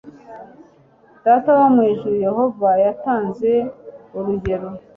Data wo mu ijuru Yehova yatanze urugero